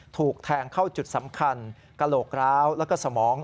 ถูกแทงเข้าจุดสำคัญกระโหลกร้าวแล้วก็สมอง